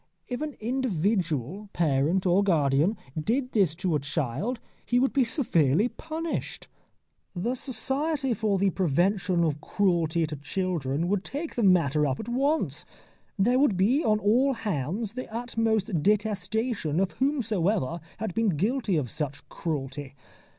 If an individual, parent or guardian, did this to a child he would be severely punished. The Society for the Prevention of Cruelty to Children would take the matter up at once. There would be on all hands the utmost detestation of whomsoever had been guilty of such cruelty.